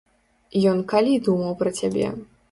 Ён калі думаў пра цябе?